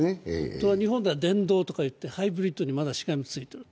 日本では電動とかいって、ハイブリッドにまだしがみついていると。